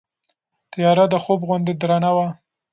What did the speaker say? تیاره د خوب غوندې درنه وه.